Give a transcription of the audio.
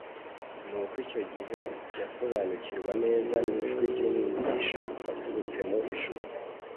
Nuko icyo gihe basobanukirwa neza n'ijwi ry'Umwigisha waturutse mu ijuru.